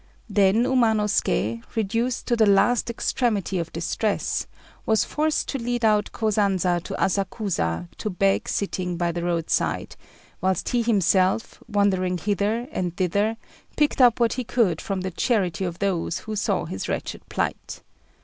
Then Umanosuké, reduced to the last extremity of distress, was forced to lead out Kosanza to Asakusa to beg sitting by the roadside, whilst he himself, wandering hither and thither, picked up what he could from the charity of those who saw his wretched plight.